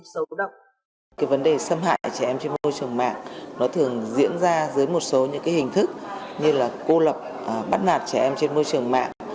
trong môi trường mạng nó thường diễn ra dưới một số những hình thức như là cô lập bắt nạt trẻ em trên môi trường mạng